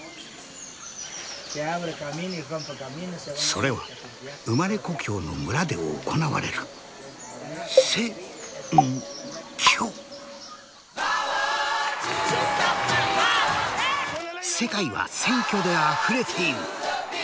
それは生まれ故郷の村で行われる世界は「選挙」であふれている。